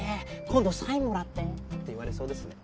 今度サインもらって！って言われそうですね。